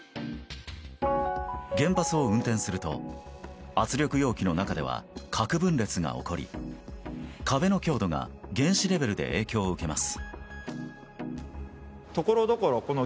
原発を運転すると圧力容器の中では核分裂が起こり、壁の強度が原子レベルで影響を受けます。